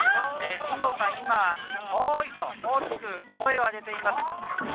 辛坊さん、今、おーいと、大きく声を上げています。